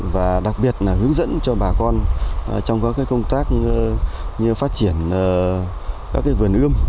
và đặc biệt là hướng dẫn cho bà con trong các công tác như phát triển các vườn ươm